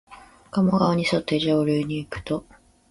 加茂川にそって上流にいくと、